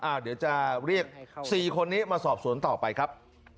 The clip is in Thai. เดี๋ยวจะเรียก๔คนนี้มาสอบสวนต่อไปครับ